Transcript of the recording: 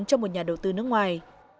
cho một nhà đầu tư nước ngoài